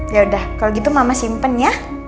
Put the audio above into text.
yaudah kalo gitu mama simpen ya